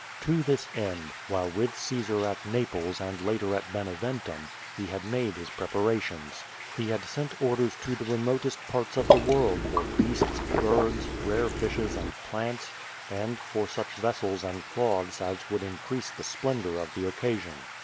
To this end, while with Caesar at Naples and later at Bene ventum, he had made his preparations. He had sent orders to the remotest parts of the world for beasts, birds, rare fishes and plants, and for such vessels and cloths as would increase the splendor of the occasion.